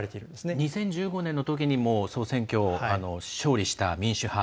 ２０１５年のときにも総選挙勝利した民主派。